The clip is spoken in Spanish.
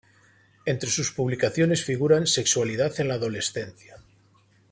Entre sus publicaciones figuran "Sexualidad en la adolescencia.